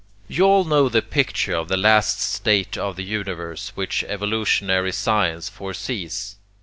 You all know the picture of the last state of the universe which evolutionary science foresees.